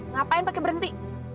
ngapain pake berhenti